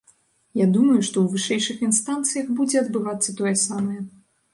Я думаю, што ў вышэйшых інстанцыях будзе адбывацца тое самае.